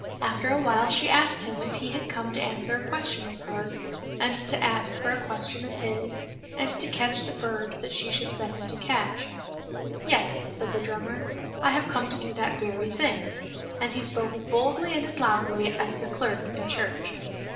After a while she asked him if he had come to answer a question of hers, and to ask her a question of his, and to catch the bird that she should set him to catch. " Yes," said the drummer, " I have come to do that very thing." And he spoke as boldly and as loudly as the clerk in church.